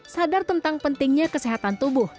sadar tentang pentingnya kesehatan tubuh